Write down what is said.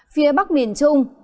phía bắc miền trung